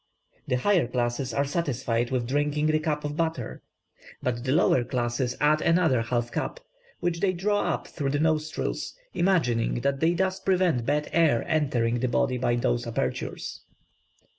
The higher classes are satisfied with drinking the cup of butter, but the lower classes add another half cup, which they draw up through the nostrils, imagining that they thus prevent bad air entering the body by those apertures."